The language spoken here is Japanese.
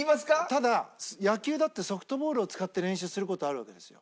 ただ野球だってソフトボールを使って練習する事あるわけですよ。